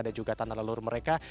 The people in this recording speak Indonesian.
dan juga tanah leluhur mereka